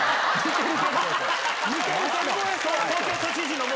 東京都知事の元！